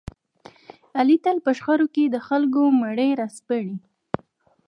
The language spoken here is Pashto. علي تل په شخړو کې د خلکو مړي را سپړي.